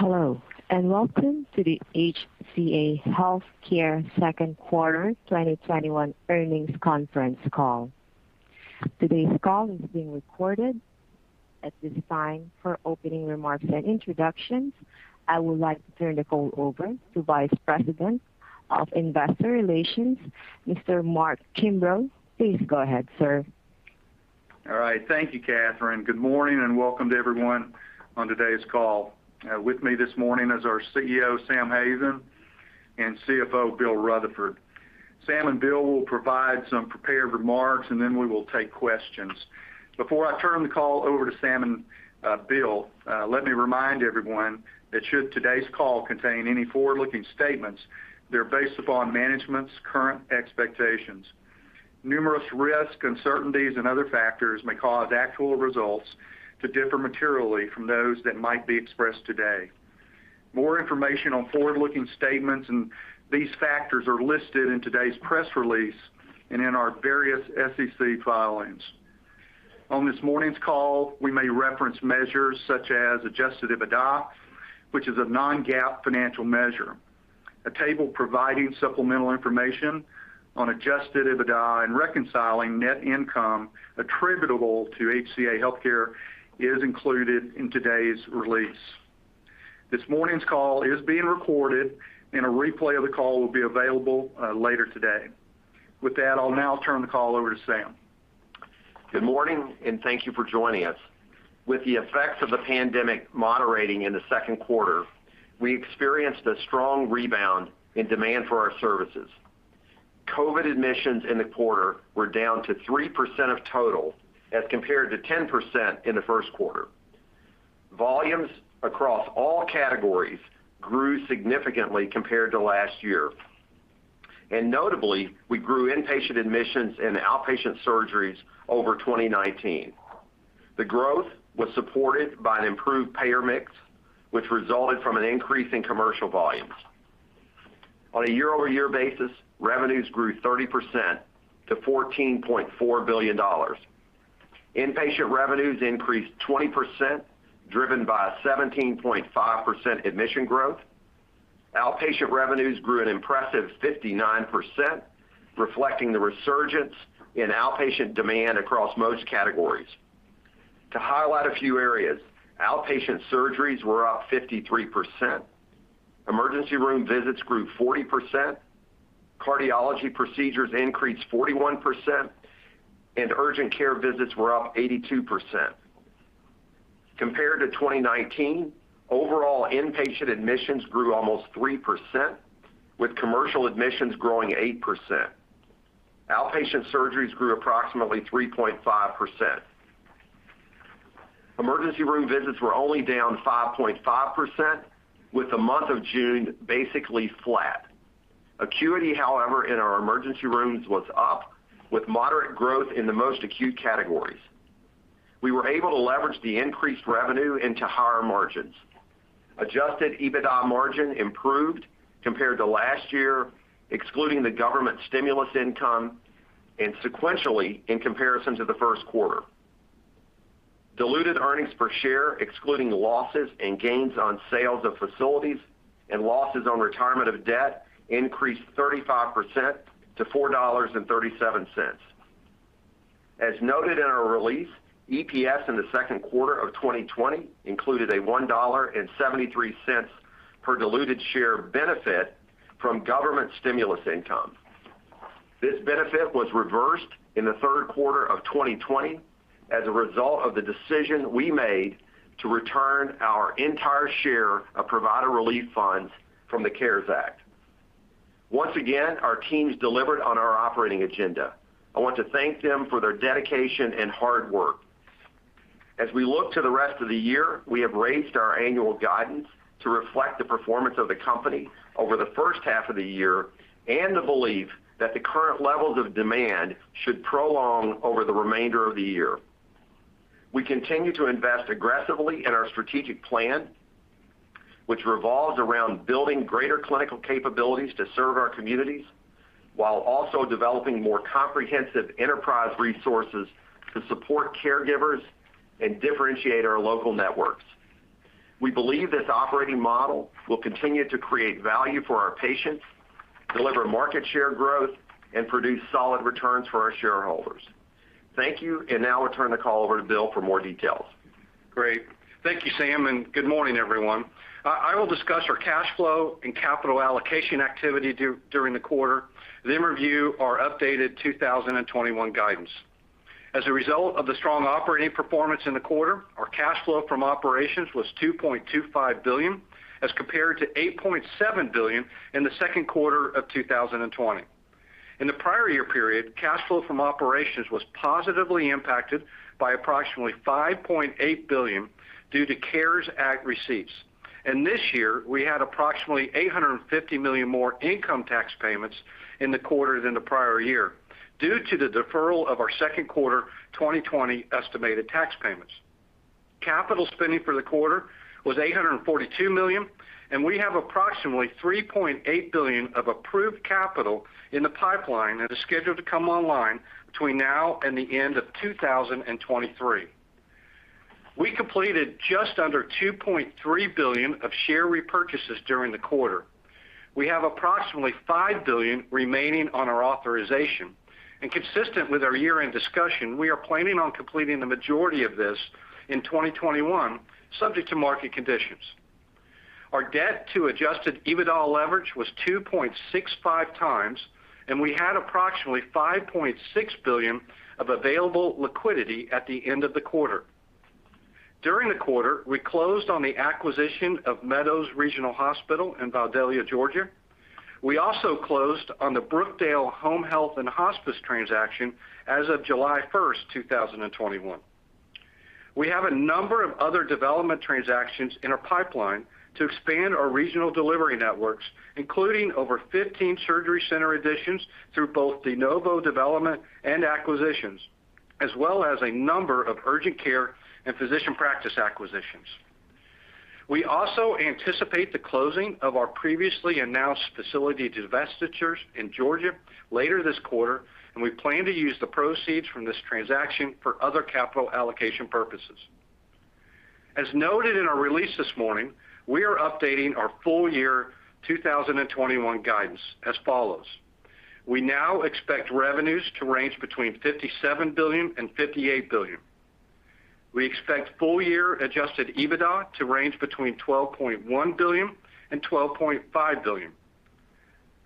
Hello, and welcome to the HCA Healthcare second quarter 2021 earnings conference call. Today's call is being recorded. At this time, for opening remarks and introductions, I would like to turn the call over to Vice President of Investor Relations, Mr. Mark Kimbrough. Please go ahead, sir. All right. Thank you, Catherine. Good morning, and welcome to everyone on today's call. With me this morning is our CEO, Sam Hazen, and CFO, Bill Rutherford. Sam and Bill will provide some prepared remarks, and then we will take questions. Before I turn the call over to Sam and Bill, let me remind everyone that should today's call contain any forward-looking statements, they're based upon management's current expectations. Numerous risks, uncertainties, and other factors may cause actual results to differ materially from those that might be expressed today. More information on forward-looking statements and these factors are listed in today's press release and in our various SEC filings. On this morning's call, we may reference measures such as adjusted EBITDA, which is a non-GAAP financial measure. A table providing supplemental information on adjusted EBITDA and reconciling net income attributable to HCA Healthcare is included in today's release. This morning's call is being recorded, and a replay of the call will be available later today. With that, I'll now turn the call over to Sam. Good morning, and thank you for joining us. With the effects of the pandemic moderating in the second quarter, we experienced a strong rebound in demand for our services. COVID admissions in the quarter were down to 3% of total as compared to 10% in the first quarter. Volumes across all categories grew significantly compared to last year. Notably, we grew inpatient admissions and outpatient surgeries over 2019. The growth was supported by an improved payer mix, which resulted from an increase in commercial volumes. On a year-over-year basis, revenues grew 30% to $14.4 billion. Inpatient revenues increased 20%, driven by a 17.5% admission growth. Outpatient revenues grew an impressive 59%, reflecting the resurgence in outpatient demand across most categories. To highlight a few areas, outpatient surgeries were up 53%, emergency room visits grew 40%, cardiology procedures increased 41%, and urgent care visits were up 82%. Compared to 2019, overall inpatient admissions grew almost 3%, with commercial admissions growing 8%. Outpatient surgeries grew approximately 3.5%. Emergency room visits were only down 5.5%, with the month of June basically flat. Acuity, however, in our emergency rooms was up, with moderate growth in the most acute categories. adjusted EBITDA margin improved compared to last year, excluding the government stimulus income, and sequentially in comparison to the first quarter. diluted earnings per share, excluding losses and gains on sales of facilities and losses on retirement of debt, increased 35% to $4.37. As noted in our release, EPS in the second quarter of 2020 included a $1.73 per diluted share benefit from government stimulus income. This benefit was reversed in the third quarter of 2020 as a result of the decision we made to return our entire share of Provider Relief Funds from the CARES Act. Once again, our teams delivered on our operating agenda. I want to thank them for their dedication and hard work. As we look to the rest of the year, we have raised our annual guidance to reflect the performance of the company over the first half of the year and the belief that the current levels of demand should prolong over the remainder of the year. We continue to invest aggressively in our strategic plan, which revolves around building greater clinical capabilities to serve our communities while also developing more comprehensive enterprise resources to support caregivers and differentiate our local networks. We believe this operating model will continue to create value for our patients, deliver market share growth, and produce solid returns for our shareholders. Thank you. Now I'll turn the call over to Bill for more details. Great. Thank you, Sam, and good morning, everyone. I will discuss our cash flow and capital allocation activity during the quarter, then review our updated 2021 guidance. As a result of the strong operating performance in the quarter, our cash flow from operations was $2.25 billion as compared to $8.7 billion in the second quarter of 2020. In the prior year period, cash flow from operations was positively impacted by approximately $5.8 billion due to CARES Act receipts. This year, we had approximately $850 million more income tax payments in the quarter than the prior year due to the deferral of our second quarter 2020 estimated tax payments. Capital spending for the quarter was $842 million We have approximately $3.8 billion of approved capital in the pipeline that is scheduled to come online between now and the end of 2023. We completed just under $2.3 billion of share repurchases during the quarter. We have approximately $5 billion remaining on our authorization. Consistent with our year-end discussion, we are planning on completing the majority of this in 2021, subject to market conditions. Our debt to adjusted EBITDA leverage was 2.65 times, and we had approximately $5.6 billion of available liquidity at the end of the quarter. During the quarter, we closed on the acquisition of Meadows Regional Medical Center in Vidalia, Georgia. We also closed on the Brookdale Health Care Services transaction as of July 1st, 2021. We have a number of other development transactions in our pipeline to expand our regional delivery networks, including over 15 surgery center additions through both de novo development and acquisitions, as well as a number of urgent care and physician practice acquisitions. We also anticipate the closing of our previously announced facility divestitures in Georgia later this quarter, and we plan to use the proceeds from this transaction for other capital allocation purposes. As noted in our release this morning, we are updating our full year 2021 guidance as follows. We now expect revenues to range between $57 billion and $58 billion. We expect full year adjusted EBITDA to range between $12.1 billion and $12.5 billion.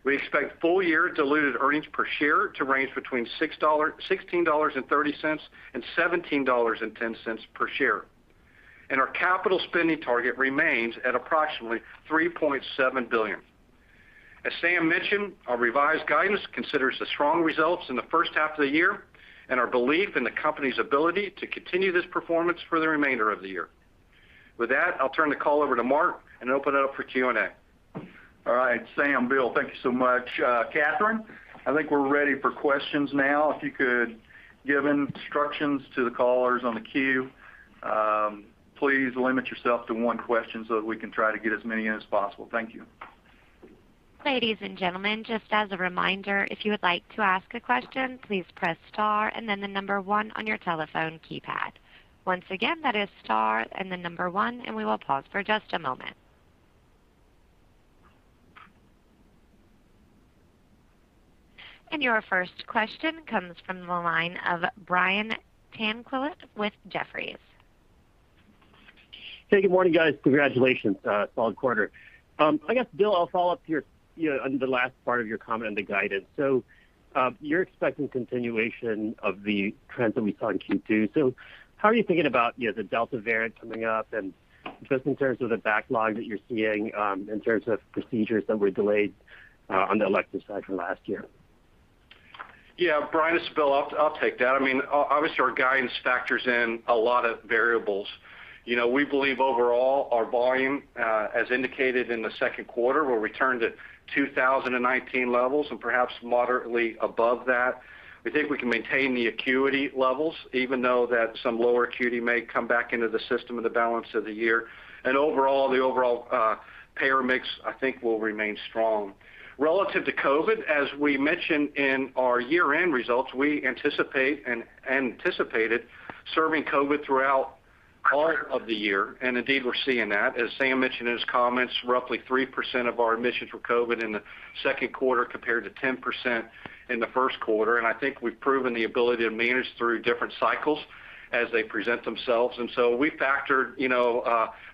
We expect full year diluted earnings per share to range between $16.30 and $17.10 per share. Our capital spending target remains at approximately $3.7 billion. As Sam mentioned, our revised guidance considers the strong results in the first half of the year and our belief in the company's ability to continue this performance for the remainder of the year. With that, I'll turn the call over to Mark and open it up for Q&A. All right, Sam, Bill, thank you so much. Catherine, I think we're ready for questions now. If you could give instructions to the callers on the queue. Please limit yourself to one question so that we can try to get as many in as possible. Thank you. Ladies and gentlemen, just as a reminder, if you would like to ask a question, please press star and then the number one on your telephone keypad. Once again, that is star and the number one, and we will pause for just a moment. Your first question comes from the line of Brian Tanquilut with Jefferies. Hey, good morning, guys. Congratulations. Solid quarter. I guess, Bill, I'll follow up here on the last part of your comment on the guidance. You're expecting continuation of the trends that we saw in Q2. How are you thinking about the Delta variant coming up and just in terms of the backlog that you're seeing in terms of procedures that were delayed on the elective side from last year? Yeah, Brian, this is Bill. I'll take that. Obviously, our guidance factors in a lot of variables. We believe overall our volume, as indicated in the second quarter, will return to 2019 levels and perhaps moderately above that. We think we can maintain the acuity levels, even though that some lower acuity may come back into the system in the balance of the year. Overall, the overall payer mix, I think, will remain strong. Relative to COVID, as we mentioned in our year-end results, we anticipate and anticipated serving COVID throughout part of the year, and indeed, we're seeing that. As Sam Hazen mentioned in his comments, roughly 3% of our admissions were COVID in the second quarter compared to 10% in the first quarter. I think we've proven the ability to manage through different cycles as they present themselves. We factored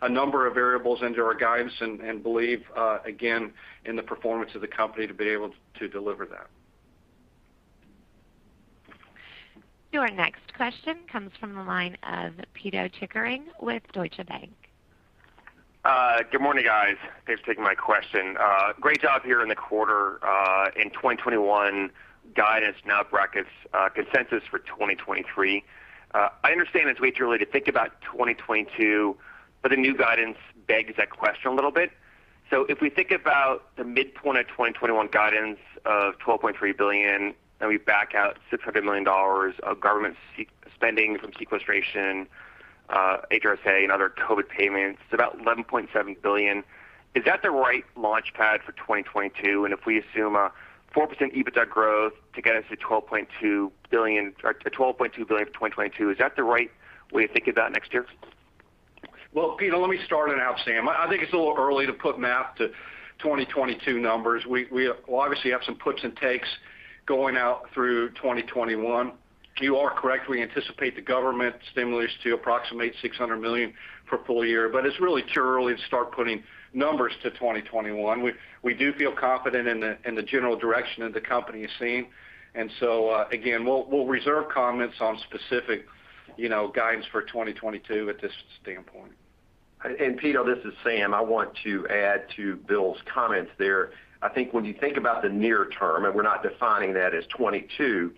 a number of variables into our guidance and believe, again, in the performance of the company to be able to deliver that. Your next question comes from the line of Pito Chickering with Deutsche Bank. Good morning, guys. Thanks for taking my question. Great job here in the quarter in 2021, guidance now brackets consensus for 2023. I understand it's way too early to think about 2022. The new guidance begs that question a little bit. If we think about the midpoint of 2021 guidance of $12.3 billion, and we back out $600 million of government spending from sequestration, HRSA, and other COVID payments, it's about $11.7 billion. Is that the right launch pad for 2022? If we assume a 4% EBITDA growth to get us to $12.2 billion for 2022, is that the right way to think about next year? Pito, let me start it out, Sam. I think it's a little early to put math to 2022 numbers. We obviously have some puts and takes going out through 2021. You are correct, we anticipate the government stimulus to approximate $600 million for full year, but it's really too early to start putting numbers to 2021. We do feel confident in the general direction that the company is seeing. Again, we'll reserve comments on specific guidance for 2022 at this standpoint. Pito, this is Sam. I want to add to Bill's comments there. I think when you think about the near term, we're not defining that as 2022.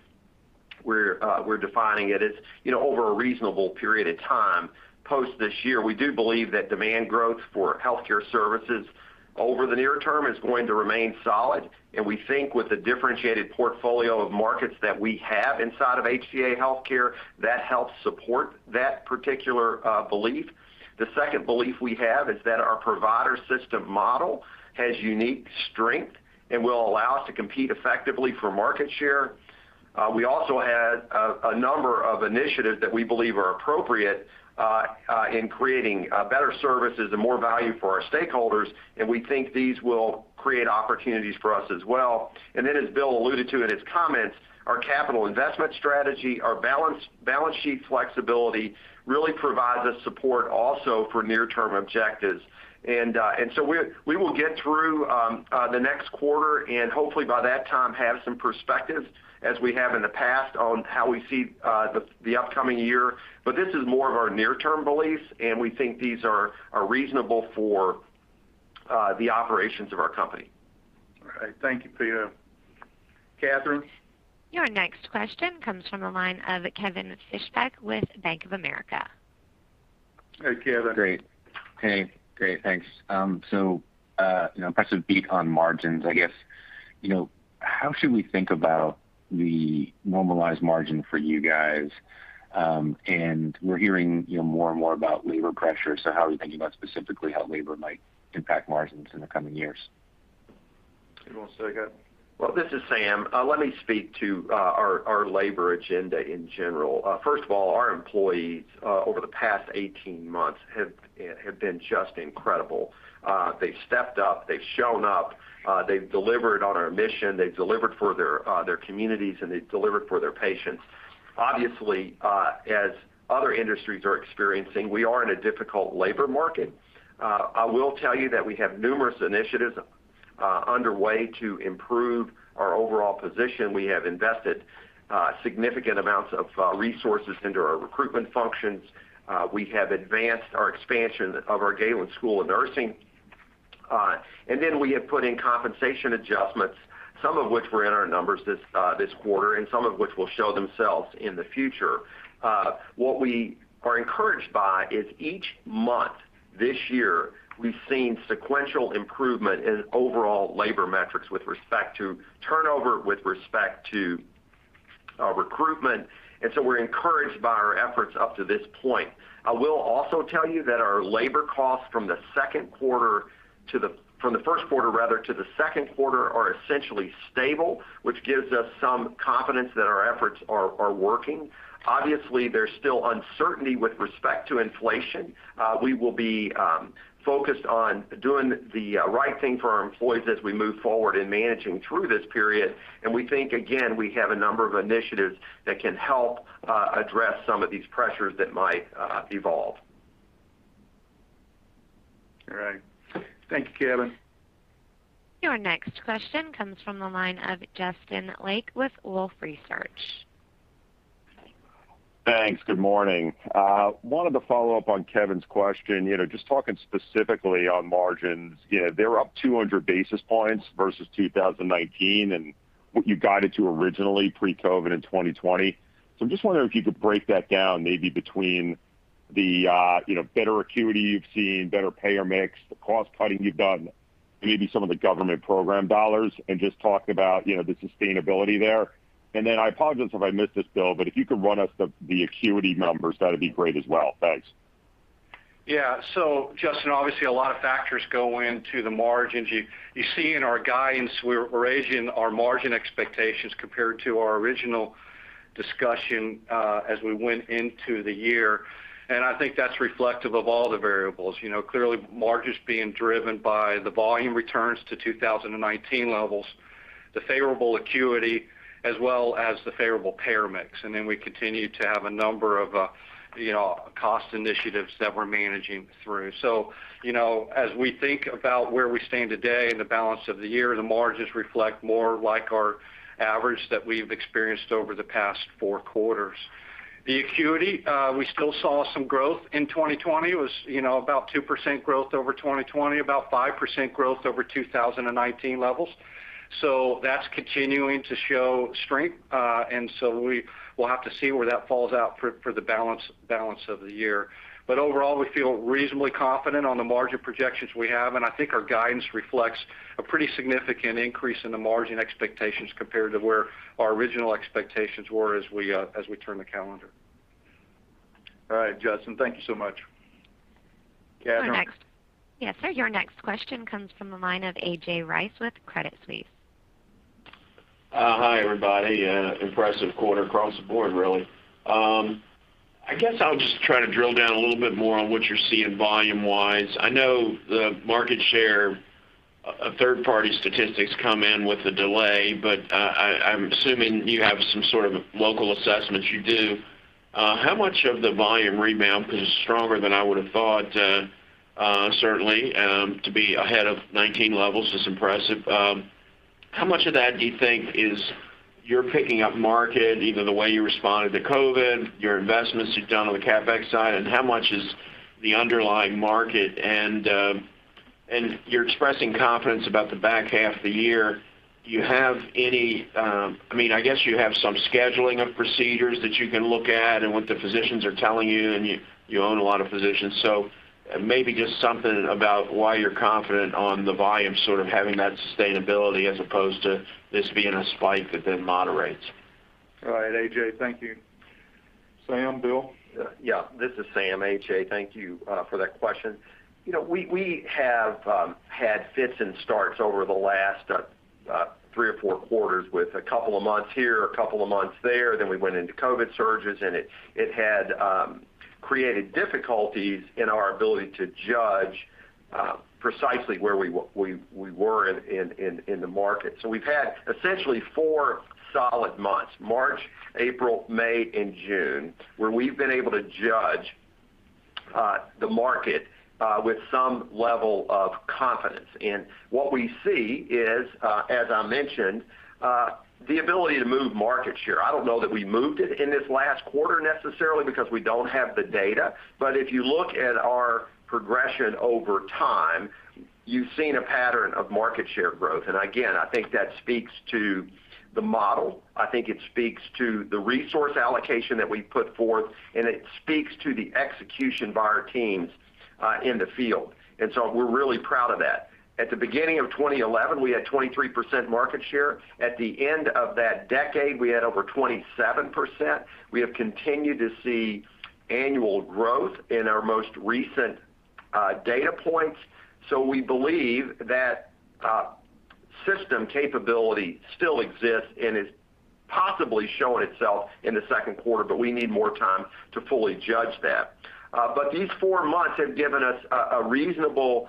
We're defining it as over a reasonable period of time post this year. We do believe that demand growth for healthcare services over the near term is going to remain solid. We think with the differentiated portfolio of markets that we have inside of HCA Healthcare, that helps support that particular belief. The second belief we have is that our provider system model has unique strength and will allow us to compete effectively for market share. We also had a number of initiatives that we believe are appropriate in creating better services and more value for our stakeholders. We think these will create opportunities for us as well. As Bill alluded to in his comments, our capital investment strategy, our balance sheet flexibility, really provides us support also for near-term objectives. We will get through the next quarter, and hopefully by that time, have some perspective, as we have in the past, on how we see the upcoming year. This is more of our near-term beliefs, and we think these are reasonable for the operations of our company. All right. Thank you, Pito. Catherine? Your next question comes from the line of Kevin Fischbeck with Bank of America. Hey, Kevin. Great. Hey, great, thanks. Impressive beat on margins, I guess. How should we think about the normalized margin for you guys? We're hearing more and more about labor pressure, so how are you thinking about specifically how labor might impact margins in the coming years? You want to take it? This is Sam. Let me speak to our labor agenda in general. First of all, our employees, over the past 18 months, have been just incredible. They've stepped up, they've shown up, they've delivered on our mission, they've delivered for their communities, and they've delivered for their patients. Obviously, as other industries are experiencing, we are in a difficult labor market. I will tell you that we have numerous initiatives underway to improve our overall position. We have invested significant amounts of resources into our recruitment functions. We have advanced our expansion of our Galen College of Nursing. Then we have put in compensation adjustments, some of which were in our numbers this quarter, and some of which will show themselves in the future. What we are encouraged by is each month this year, we've seen sequential improvement in overall labor metrics with respect to turnover, with respect to recruitment. We're encouraged by our efforts up to this point. I will also tell you that our labor costs from the first quarter, rather, to the second quarter are essentially stable, which gives us some confidence that our efforts are working. Obviously, there's still uncertainty with respect to inflation. We will be focused on doing the right thing for our employees as we move forward in managing through this period. We think, again, we have a number of initiatives that can help address some of these pressures that might evolve. All right. Thank you, Kevin. Your next question comes from the line of Justin Lake with Wolfe Research. Thanks. Good morning. Wanted to follow up on Kevin's question. Talking specifically on margins, they're up 200 basis points versus 2019 and what you guided to originally pre-COVID in 2020. I'm just wondering if you could break that down, maybe between the better acuity you've seen, better payer mix, the cost-cutting you've done, and maybe some of the government program dollars, and just talk about the sustainability there. I apologize if I missed this, Bill, but if you could run us the acuity numbers, that'd be great as well. Thanks. Justin, obviously, a lot of factors go into the margins. You see in our guidance, we're raising our margin expectations compared to our original discussion as we went into the year, and I think that's reflective of all the variables. Clearly, margin's being driven by the volume returns to 2019 levels, the favorable acuity, as well as the favorable payer mix. Then we continue to have a number of cost initiatives that we're managing through. As we think about where we stand today and the balance of the year, the margins reflect more like our average that we've experienced over the past 4 quarters. The acuity, we still saw some growth in 2020. It was about 2% growth over 2020, about 5% growth over 2019 levels. That's continuing to show strength. We will have to see where that falls out for the balance of the year. Overall, we feel reasonably confident on the margin projections we have, and I think our guidance reflects a pretty significant increase in the margin expectations compared to where our original expectations were as we turn the calendar. All right, Justin. Thank you so much. Catherine? Yes, sir. Your next question comes from the line of A.J. Rice with Credit Suisse. Hi, everybody. Impressive quarter across the board, really. I guess I'll just try to drill down a little bit more on what you're seeing volume-wise. I know the market share of third-party statistics come in with a delay, but I'm assuming you have some sort of local assessment. You do. How much of the volume rebound, because it's stronger than I would've thought, certainly, to be ahead of 2019 levels is impressive. How much of that do you think is you're picking up market, either the way you responded to COVID, your investments you've done on the CapEx side, and how much is the underlying market? You're expressing confidence about the back half of the year. I guess you have some scheduling of procedures that you can look at and what the physicians are telling you, and you own a lot of physicians. Maybe just something about why you're confident on the volume sort of having that sustainability as opposed to this being a spike that then moderates. All right, A.J., thank you. Sam, Bill? Yeah. This is Sam. A.J., thank you for that question. We have had fits and starts over the last 3 or 4 quarters with a couple of months here, a couple of months there. We went into COVID surges. It had created difficulties in our ability to judge precisely where we were in the market. We've had essentially 4 solid months, March, April, May, and June, where we've been able to judge the market with some level of confidence. What we see is, as I mentioned, the ability to move market share. I don't know that we moved it in this last quarter necessarily because we don't have the data. If you look at our progression over time, you've seen a pattern of market share growth. Again, I think that speaks to the model. I think it speaks to the resource allocation that we put forth, and it speaks to the execution by our teams in the field. We're really proud of that. At the beginning of 2011, we had 23% market share. At the end of that decade, we had over 27%. We have continued to see annual growth in our most recent data points. We believe that system capability still exists and is possibly showing itself in the second quarter, but we need more time to fully judge that. These four months have given us a reasonable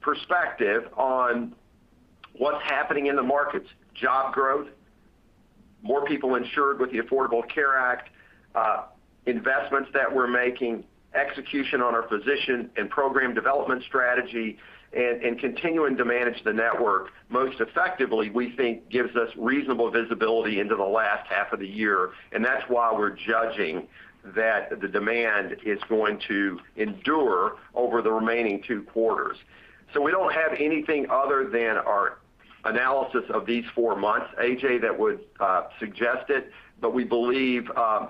perspective on what's happening in the markets. Job growth, more people insured with the Affordable Care Act, investments that we're making, execution on our physician and program development strategy, and continuing to manage the network most effectively, we think gives us reasonable visibility into the last half of the year, and that's why we're judging that the demand is going to endure over the remaining 2 quarters. We don't have anything other than our analysis of these 4 months, AJ, that would suggest it. We believe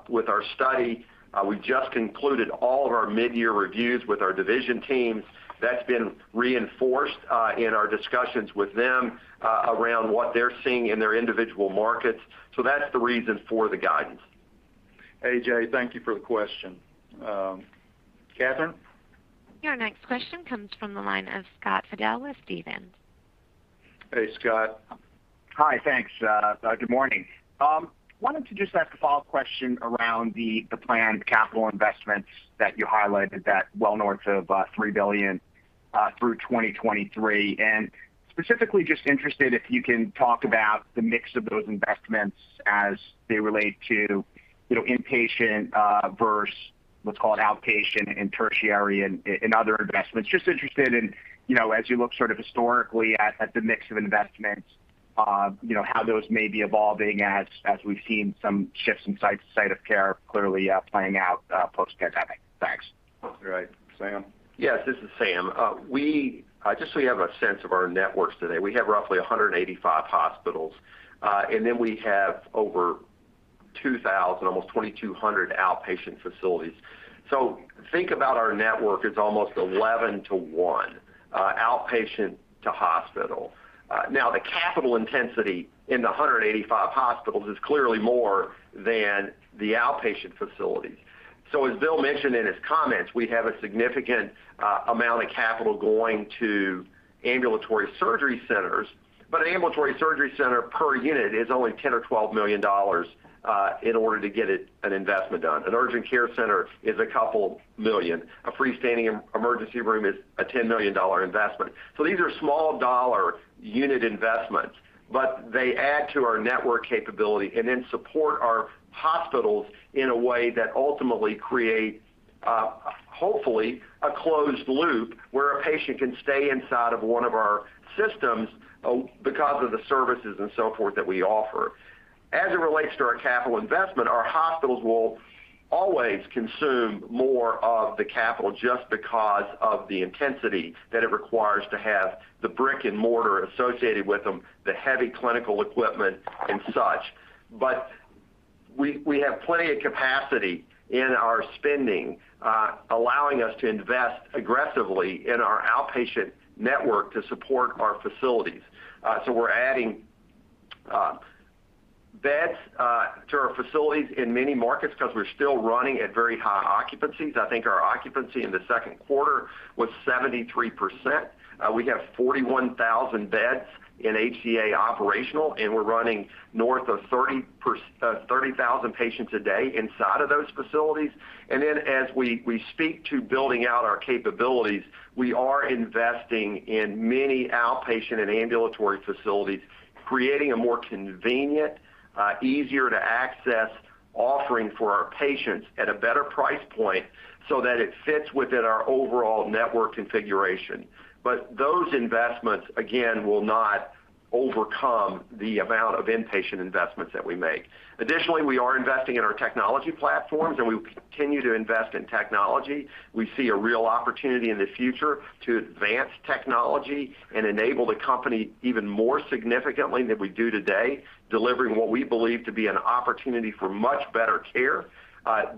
with our study, we just concluded all of our mid-year reviews with our division teams. That's been reinforced in our discussions with them around what they're seeing in their individual markets. That's the reason for the guidance. A.J., thank you for the question. Catherine? Your next question comes from the line of Scott Fidel with Stephens. Hey, Scott. Hi. Thanks. Good morning. Wanted to just ask a follow-up question around the planned capital investments that you highlighted that well north of $3 billion through 2023. Specifically just interested if you can talk about the mix of those investments as they relate to inpatient versus what's called outpatient and tertiary and other investments. Just interested in, as you look sort of historically at the mix of investments, how those may be evolving as we've seen some shifts in site of care clearly playing out post-pandemic. Thanks. All right. Sam? This is Sam. Just so you have a sense of our networks today, we have roughly 185 hospitals. We have over 2,000, almost 2,200 outpatient facilities. Think about our network as almost 11 to 1, outpatient to hospital. The capital intensity in the 185 hospitals is clearly more than the outpatient facilities. As Bill mentioned in his comments, we have a significant amount of capital going to ambulatory surgery centers, but an ambulatory surgery center per unit is only $10 million or $12 million in order to get an investment done. An urgent care center is a $2 million. A freestanding emergency room is a $10 million investment. These are small dollar unit investments. They add to our network capability and then support our hospitals in a way that ultimately create, hopefully, a closed loop where a patient can stay inside of 1 of our systems because of the services and so forth that we offer. As it relates to our capital investment, our hospitals will always consume more of the capital just because of the intensity that it requires to have the brick and mortar associated with them, the heavy clinical equipment and such. We have plenty of capacity in our spending, allowing us to invest aggressively in our outpatient network to support our facilities. We're adding beds to our facilities in many markets because we're still running at very high occupancies. I think our occupancy in the second quarter was 73%. We have 41,000 beds in HCA operational, and we're running north of 30,000 patients a day inside of those facilities. As we speak to building out our capabilities, we are investing in many outpatient and ambulatory facilities, creating a more convenient, easier-to-access offering for our patients at a better price point so that it fits within our overall network configuration. Those investments, again, will not overcome the amount of inpatient investments that we make. Additionally, we are investing in our technology platforms, and we will continue to invest in technology. We see a real opportunity in the future to advance technology and enable the company even more significantly than we do today, delivering what we believe to be an opportunity for much better care,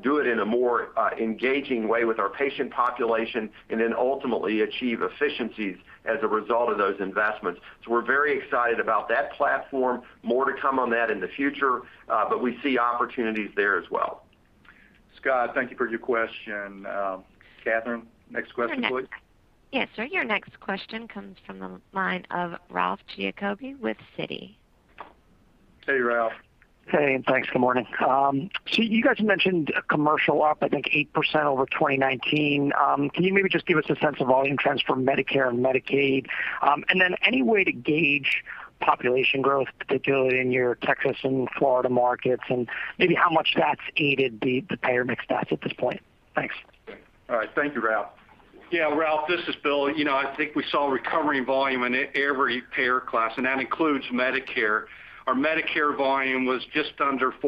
do it in a more engaging way with our patient population, and then ultimately achieve efficiencies as a result of those investments. We're very excited about that platform. More to come on that in the future, but we see opportunities there as well. Scott, thank you for your question. Catherine, next question, please. Yes, sir. Your next question comes from the line of Ralph Giacobbe with Citi. Hey, Ralph. Hey, and thanks. Good morning. You guys mentioned commercial up, I think 8% over 2019. Can you maybe just give us a sense of volume trends for Medicare and Medicaid? Then any way to gauge population growth, particularly in your Texas and Florida markets, and maybe how much that's aided the payer mix stats at this point? Thanks. All right. Thank you, Ralph. Ralph, this is Bill. I think we saw a recovery in volume in every payer class, and that includes Medicare. Our Medicare volume was just under 4%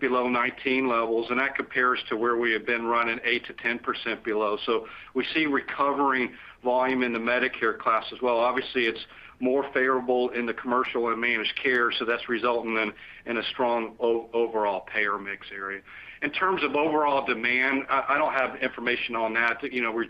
below 2019 levels, and that compares to where we had been running 8%-10% below. We see recovering volume in the Medicare class as well. Obviously, it's more favorable in the commercial and managed care, so that's resulting in a strong overall payer mix area. In terms of overall demand, I don't have information on that. We're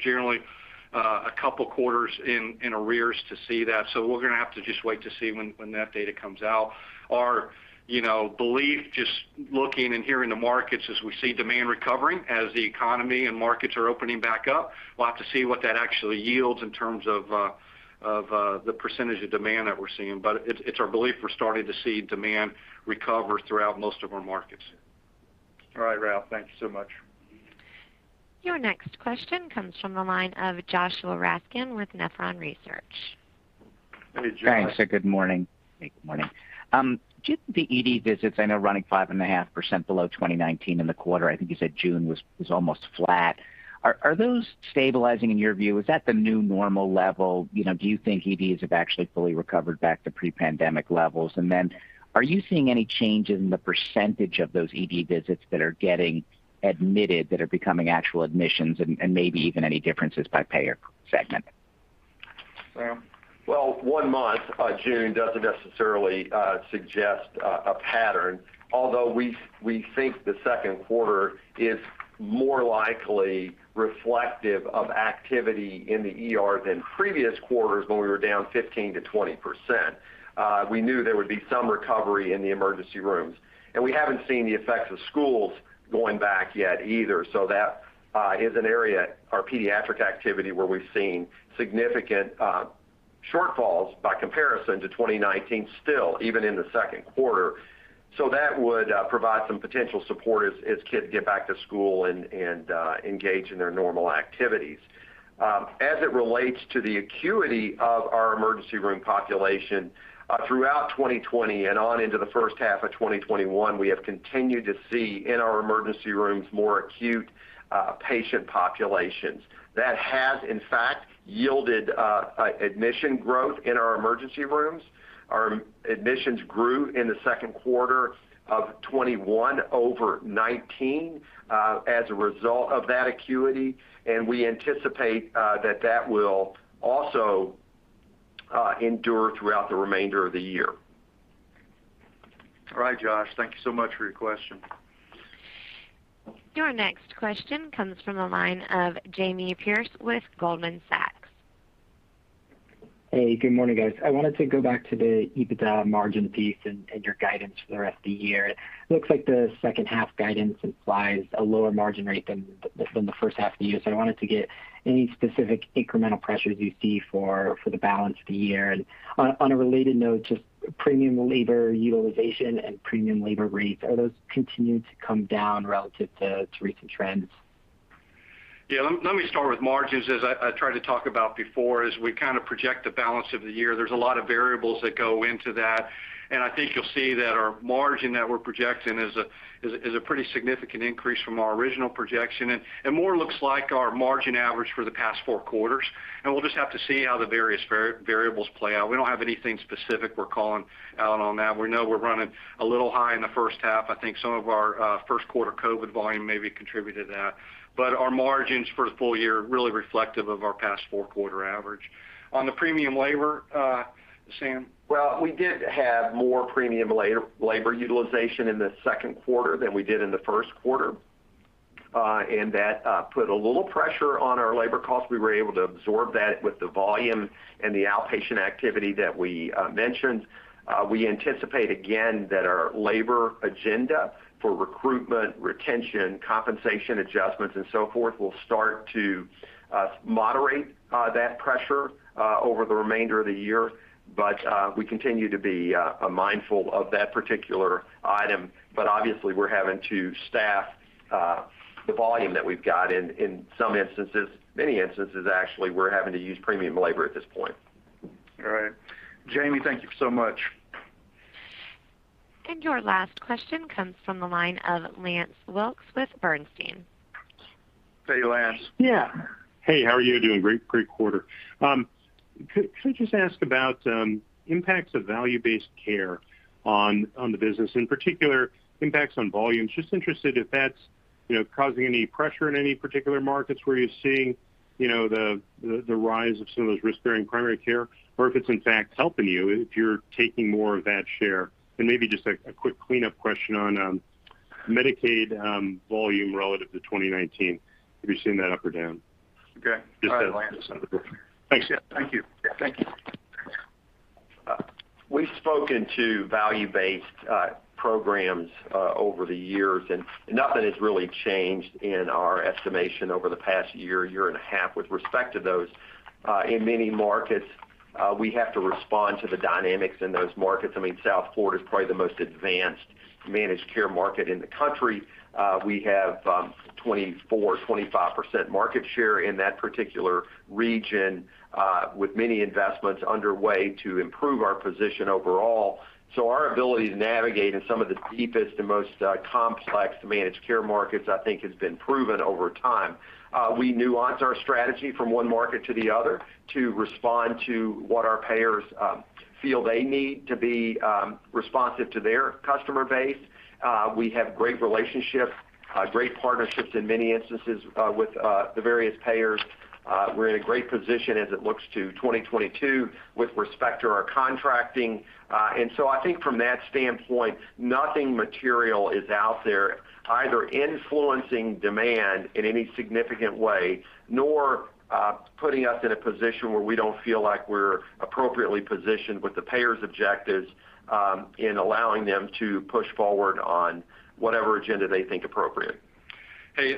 generally a couple of quarters in arrears to see that, so we're going to have to just wait to see when that data comes out. Our belief, just looking and hearing the markets, is we see demand recovering as the economy and markets are opening back up. We'll have to see what that actually yields in terms of the percentage of demand that we're seeing. It's our belief we're starting to see demand recover throughout most of our markets. All right, Ralph. Thank you so much. Your next question comes from the line of Joshua Raskin with Nephron Research. Hey, Josh. Thanks. Good morning. Do you think the ED visits, I know running 5.5% below 2019 in the quarter, I think you said June was almost flat, are those stabilizing in your view? Is that the new normal level? Do you think EDs have actually fully recovered back to pre-pandemic levels? Are you seeing any change in the percentage of those ED visits that are getting admitted, that are becoming actual admissions, and maybe even any differences by payer segment? Well, 1 month, June, doesn't necessarily suggest a pattern, although we think the second quarter is more likely reflective of activity in the ER than previous quarters when we were down 15%-20%. We knew there would be some recovery in the emergency rooms. We haven't seen the effects of schools going back yet either. That is an area, our pediatric activity, where we've seen significant shortfalls by comparison to 2019 still, even in the second quarter. That would provide some potential support as kids get back to school and engage in their normal activities. As it relates to the acuity of our emergency room population, throughout 2020 and on into the first half of 2021, we have continued to see in our emergency rooms more acute patient populations. That has, in fact, yielded admission growth in our emergency rooms. Our admissions grew in the second quarter of 2021 over 2019 as a result of that acuity. We anticipate that that will also endure throughout the remainder of the year. All right, Josh. Thank you so much for your question. Your next question comes from the line of Jamie Perse with Goldman Sachs. Hey, good morning, guys. I wanted to go back to the EBITDA margin piece and your guidance for the rest of the year. It looks like the second half guidance implies a lower margin rate than the first half of the year. I wanted to get any specific incremental pressures you see for the balance of the year. On a related note, just premium labor utilization and premium labor rates, are those continuing to come down relative to recent trends? Yeah, let me start with margins. As I tried to talk about before, as we project the balance of the year, there's a lot of variables that go into that. I think you'll see that our margin that we're projecting is a pretty significant increase from our original projection, and more looks like our margin average for the past 4 quarters. We'll just have to see how the various variables play out. We don't have anything specific we're calling out on that. We know we're running a little high in the first half. I think some of our 1st quarter COVID volume maybe contributed to that. Our margins for the full year are really reflective of our past 4-quarter average. On the premium labor, Sam? Well, we did have more premium labor utilization in the 2nd quarter than we did in the 1st quarter. That put a little pressure on our labor costs. We were able to absorb that with the volume and the outpatient activity that we mentioned. We anticipate, again, that our labor agenda for recruitment, retention, compensation adjustments, and so forth, will start to moderate that pressure over the remainder of the year. We continue to be mindful of that particular item. Obviously, we're having to staff the volume that we've got. In some instances, many instances actually, we're having to use premium labor at this point. All right. Jamie, thank you so much. Your last question comes from the line of Lance Wilkes with Bernstein. Hey, Lance. Yeah. Hey, how are you doing? Great quarter. Could I just ask about impacts of value-based care on the business, in particular impacts on volumes? Just interested if that's causing any pressure in any particular markets where you're seeing the rise of some of those risk-bearing primary care, or if it's in fact helping you, if you're taking more of that share. Maybe just a quick cleanup question on Medicaid volume relative to 2019. Have you seen that up or down? Okay. All right, Lance. Thanks. Yeah. Thank you. Yeah. Thank you. We've spoken to value-based programs over the years. Nothing has really changed in our estimation over the past year and a half with respect to those. In many markets, we have to respond to the dynamics in those markets. South Florida is probably the most advanced managed care market in the country. We have 24%, 25% market share in that particular region, with many investments underway to improve our position overall. Our ability to navigate in some of the deepest and most complex managed care markets, I think, has been proven over time. We nuance our strategy from one market to the other to respond to what our payers feel they need to be responsive to their customer base. We have great relationships, great partnerships in many instances with the various payers. We're in a great position as it looks to 2022 with respect to our contracting. I think from that standpoint, nothing material is out there either influencing demand in any significant way, nor putting us in a position where we don't feel like we're appropriately positioned with the payer's objectives in allowing them to push forward on whatever agenda they think appropriate.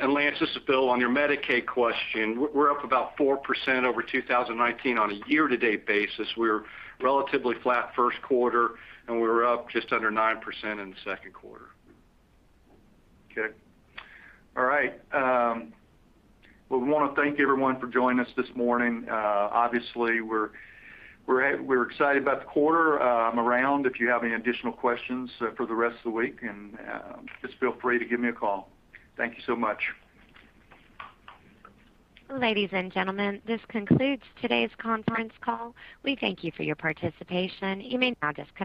Lance, this is Bill. On your Medicaid question, we're up about 4% over 2019 on a year-to-date basis. We were relatively flat first quarter. We were up just under 9% in the second quarter. Okay. All right. Well, we want to thank everyone for joining us this morning. Obviously, we're excited about the quarter. I'm around if you have any additional questions for the rest of the week, and just feel free to give me a call. Thank you so much. Ladies and gentlemen, this concludes today's conference call. We thank you for your participation. You may now disconnect.